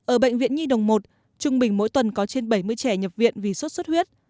ở bệnh viện nhi đồng một trung bình mỗi tuần có trên bảy mươi trẻ nhập viện vì sốt xuất huyết